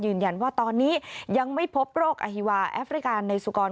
ยืนยันว่าตอนนี้ยังไม่พบโรคอฮิวาแอฟริกาในสุกร